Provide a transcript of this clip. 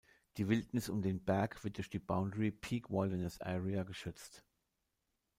Die Wildnis um den Berg wird durch die "Boundary Peak Wilderness Area" geschützt.